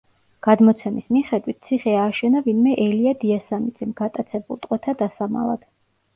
გადმოცემის მიხედვით ციხე ააშენა ვინმე ელია დიასამიძემ გატაცებულ ტყვეთა დასამალად.